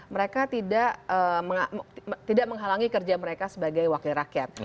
mereka tidak menghalangi kerja mereka sebagai wakil rakyat